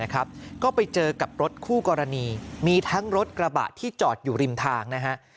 ก็ไปเจอกับรถคู่กรณีมีทั้งรถกระบะที่จอดอยู่ริมทางนะฮะ